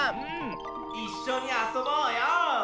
いっしょにあそぼうよ！